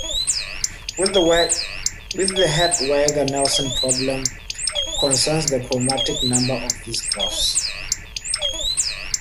The Hadwiger-Nelson problem concerns the chromatic number of these graphs.